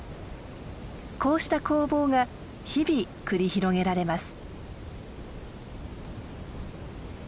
こうした攻防が日々繰り広げられます。